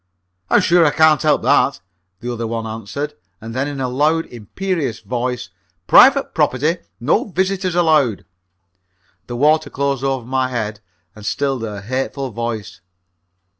"I'm sure I can't help that!" the other one answered. And then in a loud, imperious voice: "Private property! No visitors allowed!" The water closed over my head and stilled her hateful voice.